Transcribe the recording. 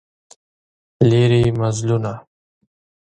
لیري مزلونه